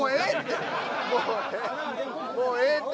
もうええって！